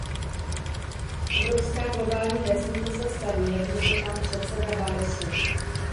Obrovská globální vesnice se staví, jak řekl pan předseda Barroso.